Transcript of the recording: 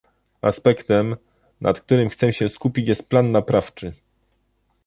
Aspektem, nad którym chcę się skupić, jest plan naprawczy